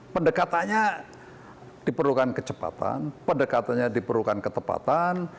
pendekatannya diperlukan kecepatan pendekatannya diperlukan ketepatan